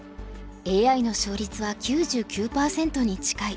ＡＩの勝率は９９％に近い。